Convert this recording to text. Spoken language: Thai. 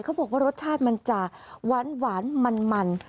เขาบอกว่ารสชาติมันจะหวานมัน